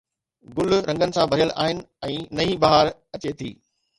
گل رنگن سان ڀريل آهن ۽ نئين بهار اچي ٿي